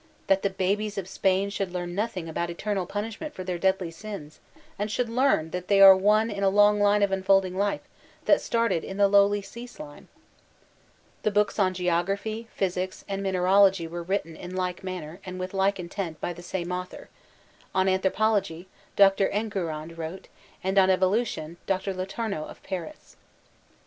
That the babies of Spain should learn nothing about eternal pun ishment for their deadly sins, and should learn that they are one in a long line of unfolding life that started in the lowly sea slime ! The books on geography, physics, and minerology were written in like manner and with like intent by the same author; on anthropology. Dr. Enguerrand wrote, and on evolution, Dr. Letoumeau of Paris.